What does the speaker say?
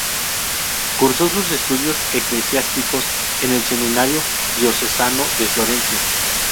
Cursó sus estudios eclesiásticos en el seminario diocesano de Florencia.